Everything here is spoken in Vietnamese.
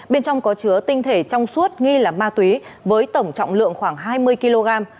bên trong có chứa tinh thể trong suốt nghi là ma túy với tổng trọng lượng khoảng hai mươi kg